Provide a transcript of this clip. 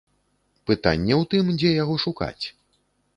Пытанне ў тым, дзе яго шукаць.